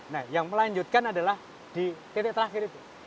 nah yang melanjutkan adalah di titik terakhir itu